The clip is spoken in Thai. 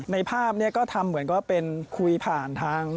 ในภาพนี้ก็ทำเหมือนก็เป็นคุยผ่านทาง